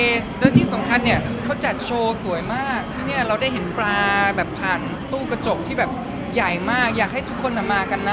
แล้วที่สำคัญเนี่ยเขาจัดโชว์สวยมากที่นี่เราได้เห็นปลาแบบผ่านตู้กระจกที่แบบใหญ่มากอยากให้ทุกคนมากันนะ